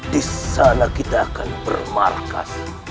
di sana kita akan bermarkas